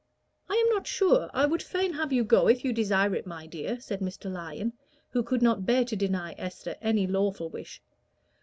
"I am not sure, I would fain have you go if you desire it, my dear," said Mr. Lyon, who could not bear to deny Esther any lawful wish.